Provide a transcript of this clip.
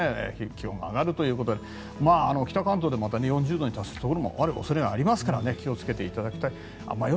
気温が上がるということで北関東でもまた４０度に達するところがある恐れがありますから気をつけていただきたい。